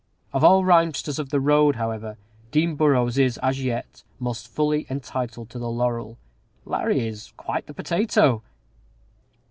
Of all rhymesters of the "Road," however, Dean Burrowes is, as yet, most fully entitled to the laurel. Larry is quite "the potato!"